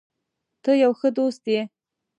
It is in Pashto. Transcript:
ته یو ښه دوست یې.